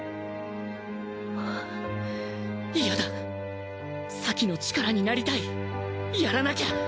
嫌だ咲の力になりたいやらなきゃ！